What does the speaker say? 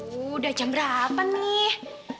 udah jam berapa nih